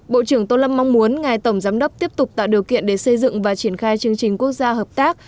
bộ trưởng tô lâm mong muốn ngài tổng giám đốc tiếp tục tạo điều kiện để xây dựng và triển khai chương trình quốc gia hợp tác